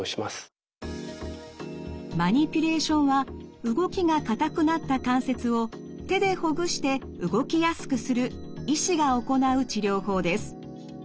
マニピュレーションは動きが硬くなった関節を手でほぐして動きやすくする医師が行う治療法です。